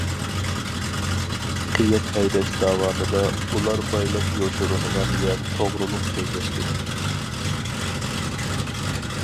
قېيىق ھەيدەش داۋامىدا ئۇلار بايلىق يوشۇرۇنغان يەر توغرۇلۇق سۆزلەشتى.